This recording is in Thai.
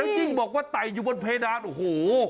จริงบอกว่าไออยู่บนเพดักษณ์โอ้โห